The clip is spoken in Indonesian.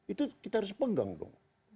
itu kita harus pegang dong